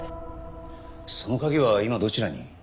その鍵は今どちらに？